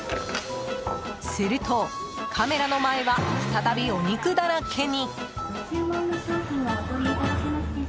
すると、カメラの前は再びお肉だらけに。